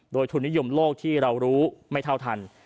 โดยทุนนิยมโลกที่เรารู้ไม่เท่าทัน